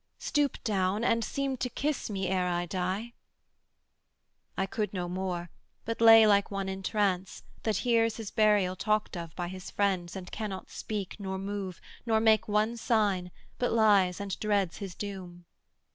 Stoop down and seem to kiss me ere I die.' I could no more, but lay like one in trance, That hears his burial talked of by his friends, And cannot speak, nor move, nor make one sign, But lies and dreads his doom.